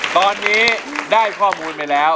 ตอนนี้ได้ข้อมูลไปแล้ว